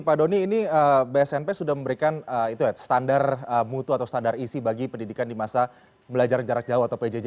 pak doni ini bsnp sudah memberikan standar mutu atau standar isi bagi pendidikan di masa belajar jarak jauh atau pjj